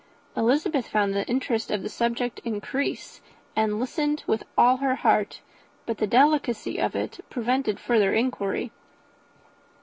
Elizabeth found the interest of the subject increase, and listened with all her heart; but the delicacy of it prevented further inquiry.